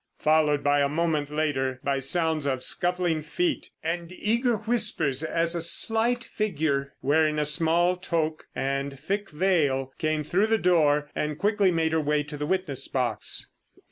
followed a moment later by sounds of scuffling feet and eager whispers, as a slight figure, wearing a small toque, and thick veil, came through the door, and quickly made her way to the witness box.